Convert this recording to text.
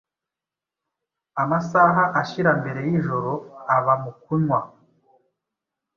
Amasaha ashira mbere yijoro aba mu kunywa